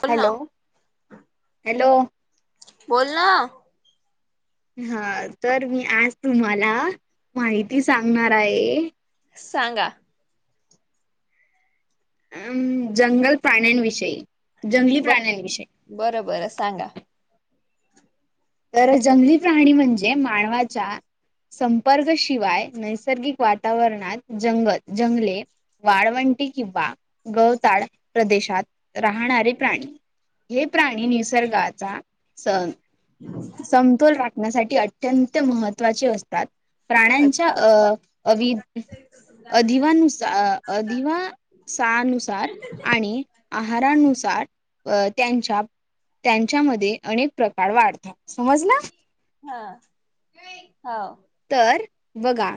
बोल ना hello hello बोल ना हा तर मी आज तुम्हाला माहिती सांगणार आहे सांगा अम जंगल प्राण्यांविषयी जंगली ब प्राण्यांविषयी बरं बरं सांगा. तर जंगली प्राणी म्हणजे मानवाच्या संपर्कशिवाय नैसर्गिक वातावरणात जंगल जंगले वाळवंटी किंवा गवताळ प्रदेशात राहणारे प्राणी हे प्राणी निसर्गाचा स समतोल राखण्यासाठी अत्यंत महत्वाचे असतात प्राण्यांच्या अच्छा अवि अधिवानुसार अधिवा सानुसार आणि आहारानुसार त्यांच्या त्यांच्यामध्ये अनेक प्रकार वाढतात समज ना. हा ह. तर बघा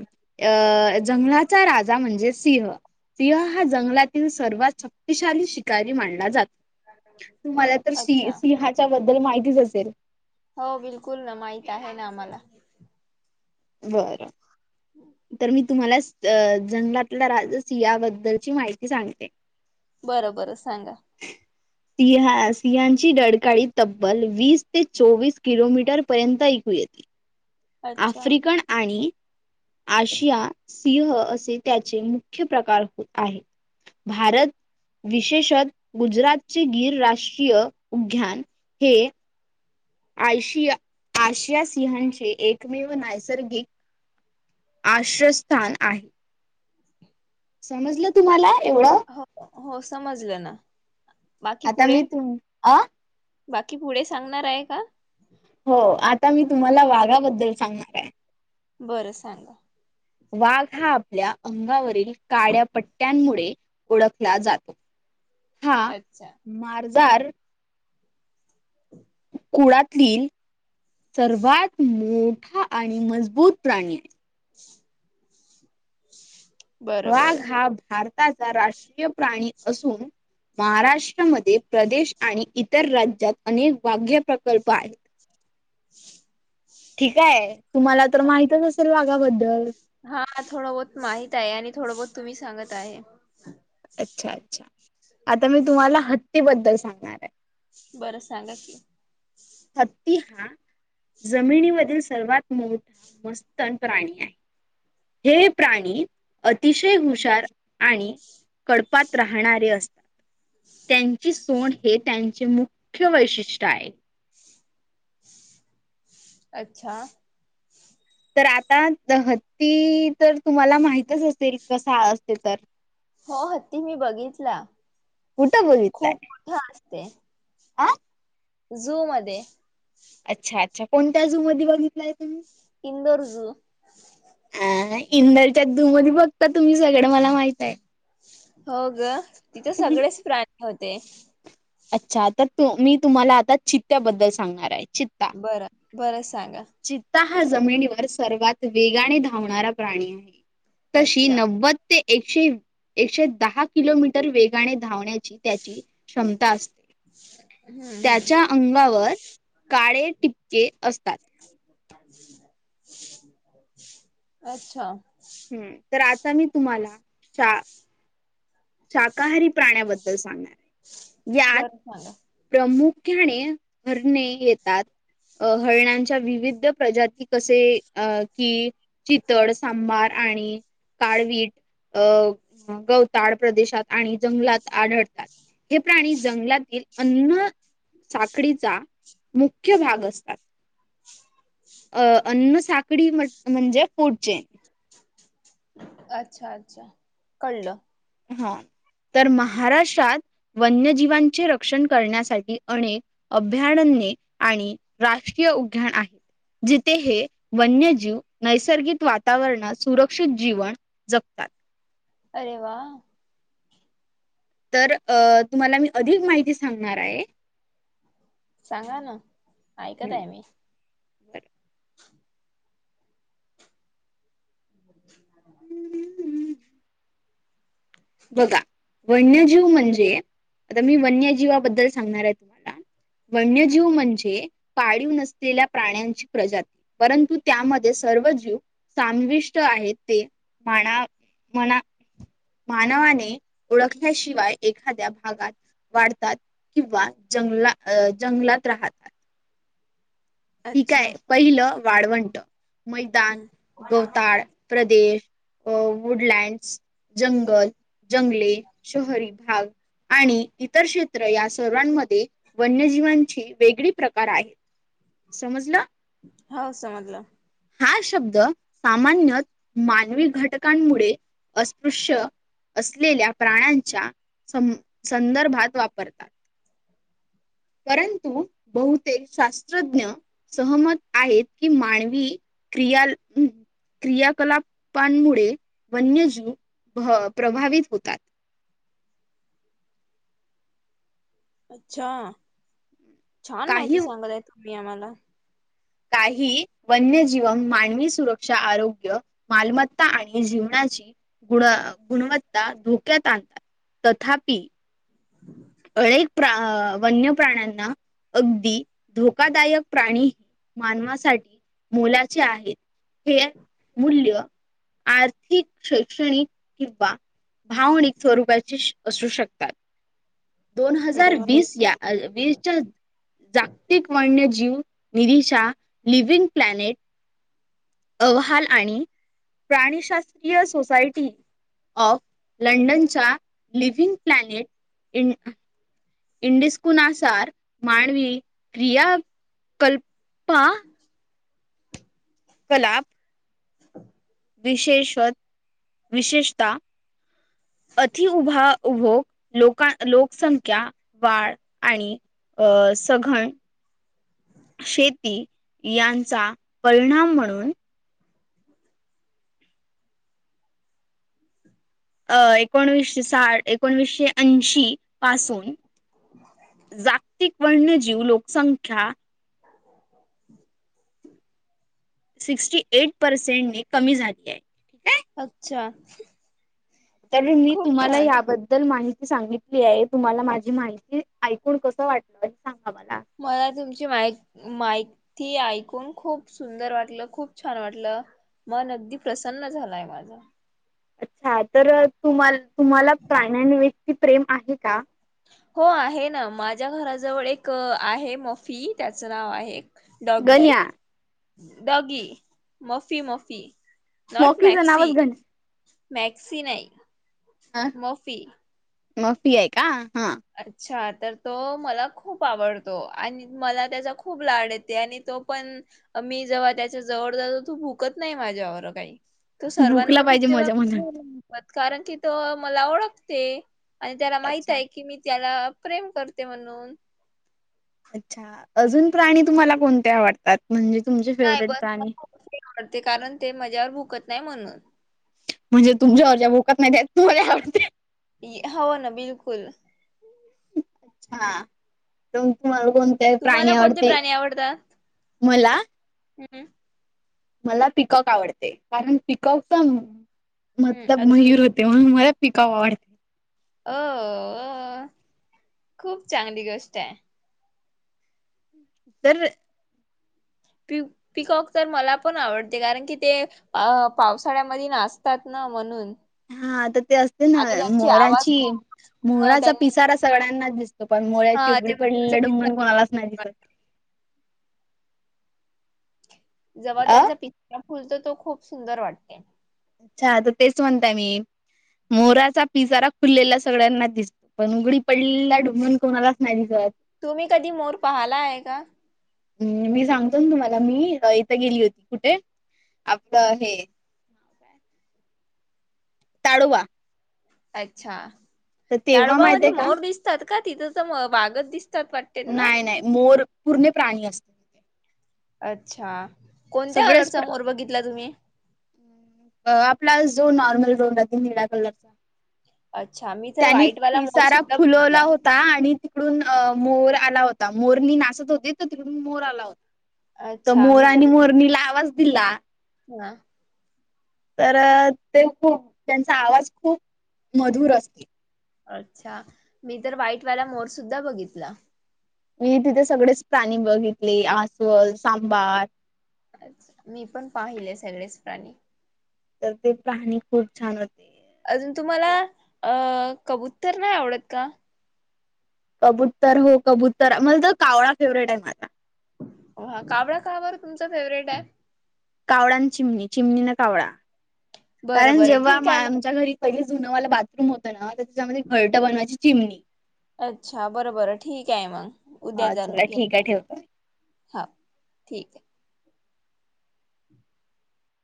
अं जंगलाचा राजा म्हणजे सिंह. सिंह हा जंगलातील सर्वात शक्तिशाली शिकारी मानला जातो. तुम्हाला तर स अच्छा सिंहाच्या बद्दल माहितीच असेल. हो बिलकुल ना माहित आहे ना आम्हाला. बरं तर मी. तुम्हाला जंगलातल्या राज सिहाबद्दलची माहिती सांगते. बरं बरं सांगा. सिं सिहची डकाळी तब्बल वीस ते चोवीस किलोमीटर पर्यंत कूल. अच्छा आफ्रिकन आणि. आशिया सिंह असे त्याचे मुख्य प्रकार होत आहेत. भारत. विशेषत गुजरातचे गीर राष्ट्रीय उघ्यान हे. आशिया आशिया सिंहांचे एकमेव नैसर्गिक. आश्रयस्थान आहे. समजलं तुम्हाला एवढं. हो हो समजलं ना. बाकी आता पुढे मी तु अ. बाकी पुढे सांगणार आहे का. हो आता मी तुम्हाला वाघाबद्दल सांगणार आहे. बरं सांगा. वाघ हा आपल्या अंगावरील काड्या पट्ट्यांमुळे ओळखला जातो. हा अच्छा मारजार. कुळातील. सर्वात मोठा आणि मजबूत प्राणी आहे. वा बरं वाघ बरं हा भारताचा राष्ट्रीय प्राणी असून. महाराष्ट्रामध्ये प्रदेश आणि इतर राज्यात अनेक वाघ्य प्रकल्प आहेत. ठीकय तुम्हाला तर माहितच असेल वाघाबद्दल. हा थोडं बहत माहित आहे आणि थोडं बहत तुम्ही सांगत आहे. अच्छा अच्छा आता मी तुम्हाला हत्ती बद्दल सांगणार आहे. बरं सांगा कि. ह. ती ह. जमिनीमधील सर्वात मोठा मस्तन प्राणी आहे. हे प्राणी अतिशय हुशार आणि. कडपात राहणारे असतात त्यां. ची सोड हे त्यांचे मुख्य वैशिष्ट्य आहे.. अच्छा. तर आता हत्ती तर तुम्हाला माहितच असेल कस असते तर. हो हत्ती मी बघितला कुठं खूप मोठा असते. आं. झू मध्ये. अच्छा अच्छा कोणत्या जू मध्ये बघितलाय तुम्ही. हंदोर्ज. त्या दधुमध बघता तुम्ही सगळं मला माहित आहे. हो ग तिथं सगळेच प्राणी होते. अच्छा तर तु मी तुम्हाला आता चित्त्याबद्दल सांगणार आहे. चित्ता बरं बरं सांगा. चित्ता हा जमिनीवर सर्वात वेगाने धावणारा प्राणी आहे तशी अच्छा नव्वद ते. एकशे एकशे दहा किलोमीटर वेगाने धावण्याची त्याची क्षम. [inaudible] हम्म त्याच्या हम्म अंगावर काळे टिपके असतात [inaudible] अच्छा हम्म तर आता मी तुम्हाला श [inaudible] शाकाहारी प्राण्याबद्दल [inaudible] सांगणार आहे यात बरं सांगा प्रमुख घ्याने घरणे येतात [inaudible] [inaudible] अ हळण्याच्या विविध प्रजाती कसे अ की चितड सांबार आणि [inaudible] काळवीट अ गवताड प्रदेशात आणि जंगलात आढळतात [inaudible] हे प्राणी जंगलातील अन्न साखळीचा मुख्य भाग असतात [inaudible] [inaudible] अ अन्न साखळी म्हणजे पोटचेन [inaudible] अच्छा अच्छा कळलं [inaudible] ह तर महाराष्ट्रात [inaudible] वन्यजीवांचे रक्षण करण्यासाठी अनेक अभया्य आणि रा य उद्याण आहे [inaudible] [inaudible] जिथे हे वन्यजीव नैसर्गिक वातावरणात सुरक्षित जीवन जगतात अरे वा [inaudible] [inaudible] तर तुम्हाला मी अधिक माहिती सांगणार आहे [inaudible] सांगा ना ऐकत आहे मी [inaudible] बरं [inaudible] [inaudible] बरं. [inaudible] बघा वन्यजीव म्हणजे आता मी वन्यजीवाबद्दल सांगणार आहे [inaudible] तुम्हाला हम्म वन्यजीव म्हणजे पाळीव नसलेल्या प्राण्यांची प्रजाती [inaudible] परंतु त्यामध्ये सर्व जीव समविष्ट आहेत ते [inaudible] म्हणा म्हणा [inaudible] मानवाने ओळखल्याशिवाय एखाद्या भागात वाढतात किंवा जंगला जंगलात राहतात [inaudible] [inaudible] अच्छा ठीकय पहिलं हम्म वाळवंट [inaudible] मैदान हम्म गवताळ प्रदेश अ वुडलँड्स [inaudible] जंगल जंगले शहरी भाग [inaudible] आणि इतर केत ्र या सर्वांमध्ये वन्यजीवांची वेगळी प्रकार आहेत [inaudible] समजलं होा समजलं [inaudible] हा शब्द सामान्यत मानवी घटकांमुळे अस्पृश्य असलेल्या प्राण्यांच्या स संदर्भात वापरतात [inaudible] परंतु बहुतेक शास्त्रज्ञ सहमत आहेत की मानवी [inaudible] क्रियाल हम् क्रियाकलापांमुळे वन्यजीव प्रभावित होतात [inaudible] [inaudible] अच्छा छान काही माहिती सांगतय तुम्ही आम्हाला काही वन्यजीवन मानवी सुरक्षा आरोग्य मालमत्ता आणि जीवनाची गुण गुणवत्ता धोक्यात आणतात तथापि [inaudible] अनेक प्रा वन्य प्राण्यांना अगदी धोकादायक प्राणी मानवासाठी मोलाचे आहेत हे मूल्य आर्थिक, शैक्षणिक किंवा भावनिक स्वरूपाची असू शकतात. दोन हजार अरे वा वीस या वीसच्या जागतिक वन्य जीव निरीशा लिविंग प्लनेट अहवाल आणि प्राणीशास्त्रीय सोसायटी ऑफ लंडनच्या लिव्हंग प्लॅनेट इन इंडिस्कुनासार मानवी क्रिया कल्पा कलाप विशेषत विशेषता अतिउभा उभोग लोक-लोकसंख्या वाढ आणि अ सघण शेती यांचा परिणाम म्हणून अ एकोणविसशे साठ एकोणविसशे ऐंशी पासून जागतिक वन्यजीव लोकसंख्या [inaudible] सिक्स्टी एट पर्सेंटने कमी झाली आहे. अच्छा! तरी मी खूप तुम्हाला छान याबद्दल माहिती सांगितली आहे तुम्हाला माझी माहिती ऐकून कस वाटलं सांगा मला? मला तुमची माहिती ऐकून खूप सुंदर वाटलं खूप छान वाटलं मन अगदी प्रसन्न झालाय माझा. अच्छा! तर तुम्हांला-तुम्हांला प्राण्यांव्यक्ति प्रेम आहे का? हो आहे ना माझ्या घराजवळ एक आहे मोफी त्याचं नाव आहे. डॉगी, गण्या डॉगी, मोफी, मोफी. मोकीच नावच‌ गंड. मॅक्सी नाही मोफी. मोफी आहे का? हां. अच्छा तर तो मला खूप आवडतो आणि मला त्याचा खूप लाड येते आणि तो पण मी जेव्हा त्याच्या जवळ जातो तो भुकत नाही माझ्यावर काही तो बुकला सर्वांवर पाहिजे भुकते मजा म्हणून बघ. कारण की तो मला ओळखते आणि त्याला माहित अच्छा आहे. की मी त्याला प्रेम करते म्हणून. अच्छा! अजून प्राणी तुम्हाला कोणते आवडतात म्हणजे तुमचे फेवरेट प्राणी? ते कारण ते माझ्यावर भुकत नाही म्हणून. म्हणजे तुमच्या वरच्या भुकत नाही त्यात तुम्हाला आवडते. हो ना बिलकुल. अच्छा! कोन तुम्हाला? कोणते प्राणी तुम्हाला कोणते आवडते? प्राणी आवडतात? मला हम्म, मला पीकॉक आवडते. कारण पीकॉकच हम्म, मतलब अजून मयूर होते म्हणून मला पीकॉक आवडते. अ खूप चांगली गोष्ट आहे. तर प पिकॉक तर मला पण आवडते कारण की ते पावसाळ्यामध्ये नाचतात ना म्हणून. हां तर ते असते ना आणि त्यांची आवाज मोराची खूप अ, मोराचा त्यांनी पिसारा सगळ्यांना त पण मोराचं हां, ते उघडं मोराचं पडलेलं पिसाळ ढुंगण कोणालाच नाही दिसत. वाट- जेव्हा अ त्यांचा पीसारा फुलतो तो खूप सुंदर वाटते. अच्छा तर तेच म्हणताय मी. मोराचा पिसारा खुललेला सगळ्यांना दिसतो पण उघडी पडलेला ढुंगण कोणालाच नाही दिसत. तुम्ही कधी मोर पाहाला आहे का? हम्म मी सांगतो ना तुम्हाला मी इथं गेली होती कुठे आपलं हे ताडोबा अच्छा तर तेव्हा ताडोबा मध्ये माहितय का मोर दिसतात का तिथं तर वाघच दिसत. नाही नाही मोर पूर्ण प्राणी असतात. अच्छा कोणत्या सगळेच कलरचा मोर बघितला तुम्ही? प्र आपला जो नॉर्मल रंग निळा कलरचा अच्छा मी तर त्यांनी व्हाईटवाला मोर पिसारा सुद्धा फुलवला बघितला. होता आणि तिकडून मोर आला होता मोरणी नाचत होती तर तिथून मोर आला होता तर अच्छा मोर मी आणि मोरणीला आवाज दिला हा तर ते खूप त्यांचा आवाज खूप मधुर असते अच्छा मी तर व्हाईटवाला मोर सुद्धा बघितला मी तिथे सगळेच प्राणी बघितले आसवल सांबार अच्छा मी पण पाहिले सगळेच प्राणी तर ते प्राणी खूप छान होते. अजून तुम्हाला अं कबुतर नाही आवडत का कबुतर हो कबुतर म्हजा कावळा फेवरेट आहे माझा हा कावळा का बर तुमचा फेवरेट हाय कावळा न चिमणी चिमणी ना कावळा बरं कारण बरं जेव्हा ठीक मा आहे मग. आमच्या घरी पहि जुनवाला बाथरूम होतं ना तर त्याच्यामध्ये घरटं बनवायची चिमणी अच्छा बरोबर ठीक आहे मग उद्या हा चला जाणून ठीक घेऊया आहे ठेवतो. हा ठीक आहे